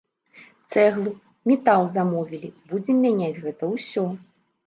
Цэглу, метал замовілі, будзем мяняць гэта ўсё.